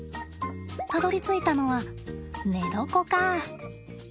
たどりついたのは寝床か。